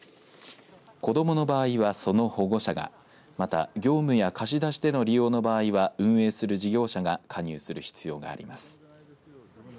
子どもの場合は、その保護者がまた業務や貸し出しでの利用の場合は運営する事業者が加入する必要があります。